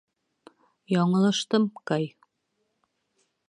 Яңылыштым, Кай.